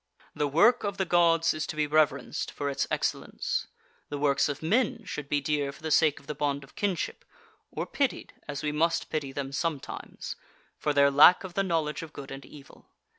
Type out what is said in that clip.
The work of the Gods is to be reverenced for its excellence. The works of men should be dear for the sake of the bond of kinship, or pitied, as we must pity them sometimes, for their lack of the knowledge of good and evil.